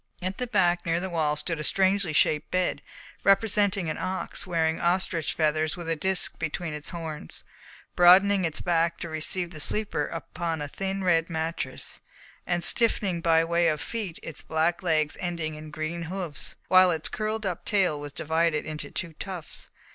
At the back, near the wall, stood a strangely shaped bed, representing an ox wearing ostrich feathers with a disc between its horns, broadening its back to receive the sleeper upon a thin red mattress, and stiffening by way of feet its black legs ending in green hoofs, while its curled up tail was divided into two tufts.